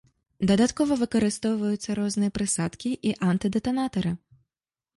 Дадаткова выкарыстоўваюцца розныя прысадкі і антыдэтанатары.